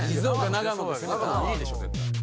長野２位でしょ絶対。